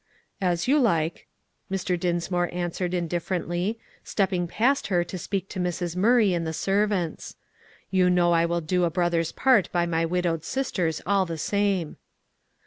"As you like," Mr. Dinsmore answered indifferently, stepping past her to speak to Mrs. Murray and the servants; "you know I will do a brother's part by my widowed sisters all the same."